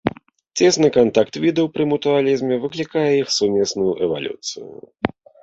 Цесны кантакт відаў пры мутуалізме выклікае іх сумесную эвалюцыю.